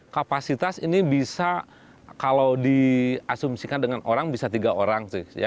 kapasitas ini bisa kalau diasumsikan dengan orang bisa tiga orang sih